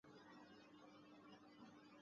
洛特生于英国伦敦东南的布罗姆利区。